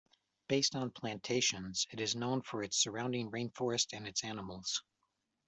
Based on plantations, it is known for its surrounding rainforest and its animals.